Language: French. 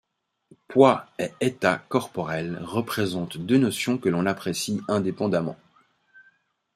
Poids et état corporel représentent deux notions que l'on apprécie indépendamment.